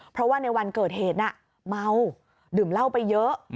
เพราะว่าในวันเกิดเหตุน่ะเมาดื่มเหล้าไปเยอะ